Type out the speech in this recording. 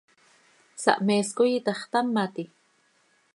¿Sahmees coi itaxtámati?